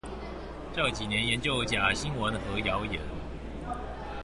這幾年研究假新聞和謠言